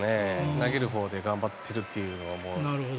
投げるほうで頑張っているというのは。